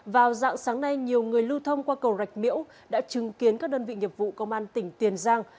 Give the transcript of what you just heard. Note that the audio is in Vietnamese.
vào dạng sáng nay nhiều người lưu thông qua cầu rạch miễu đã chứng kiến các đơn vị nghiệp vụ công an tỉnh tiền giang